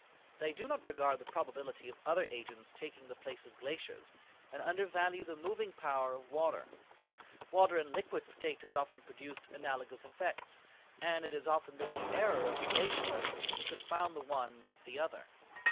They do not regard the probability of other agents taking the place of glaciers, and undervalue the moving power of water. Water in liquid state has often produced analogous effects, and it has often been the error of the glacialists to confound the one with the other.